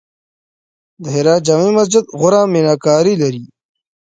د هرات جمعې مسجد غوري میناکاري لري